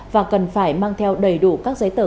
và cần phải mang theo đầy đủ các giấy tờ